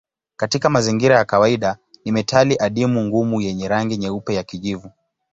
Katika mazingira ya kawaida ni metali adimu ngumu yenye rangi nyeupe ya kijivu.